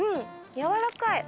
やわらかい。